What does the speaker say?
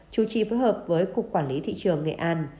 chủ trì phối hợp với cục quản lý thị trường nghệ an